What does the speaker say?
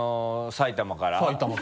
埼玉から。